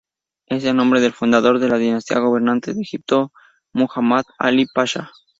Es el nombre del fundador de la dinastía gobernante de Egipto, Muhammad Ali Pasha.